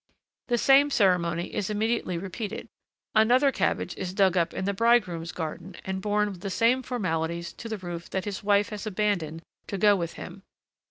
The same ceremony is immediately repeated. Another cabbage is dug up in the bridegroom's garden and borne with the same formalities to the roof that his wife has abandoned to go with him.